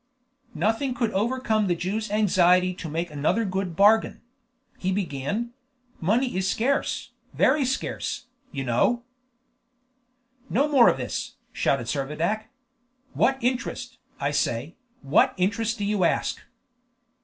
Nothing could overcome the Jew's anxiety to make another good bargain. He began: "Money is scarce, very scarce, you know " "No more of this!" shouted Servadac. "What interest, I say, what interest do you ask?"